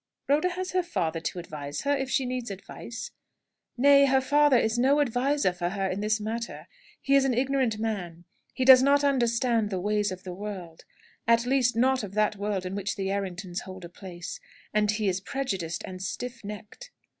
"Rhoda has her father to advise her, if she needs advice." "Nay; her father is no adviser for her in this matter. He is an ignorant man. He does not understand the ways of the world at least, not of that world in which the Erringtons hold a place and he is prejudiced and stiff necked."